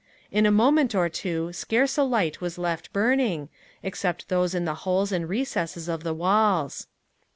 In a moment or two scarce a light was left burning, except those in the holes and recesses of the walls.